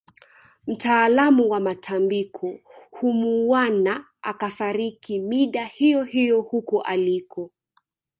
Mtaalamu wa matambiko humuuwana akafariki mida hiyohiyo huko aliko